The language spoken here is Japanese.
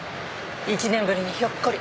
１年ぶりにひょっこり。